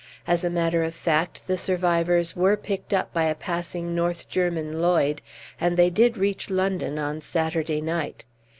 As a matter of fact, the survivors were picked up by a passing North German Lloyd, and they did reach London on Saturday night.